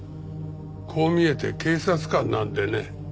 こう見えて警察官なのでね。